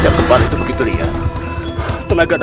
akan aku laksanakan